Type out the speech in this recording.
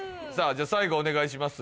じゃあ最後お願いします